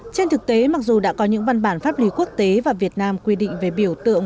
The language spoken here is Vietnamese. trên thực tế mặc dù đã có những văn bản pháp lý quốc tế và việt nam quy định về biểu tượng